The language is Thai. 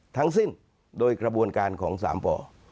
ทั้งสิ้นโดยกระบวนการของ๓ป่อ